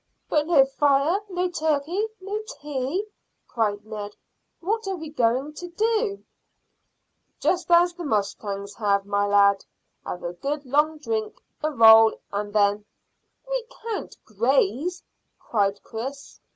"But no fire, no turkey, no tea," cried Ned. "What are we to do?" "Just as the mustangs have, my lad; have a good long drink, a roll, and then " "We can't graze," cried Chris.